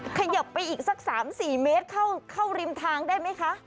ขยับไปอีกสักสามสี่เมตรเข้าเข้าริมทางได้ไหมคะ